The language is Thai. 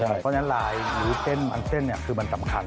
เพราะฉะนั้นลายหรือเส้นอันเส้นคือมันสำคัญ